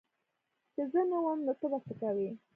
چي زه نه وم نو ته به څه کوي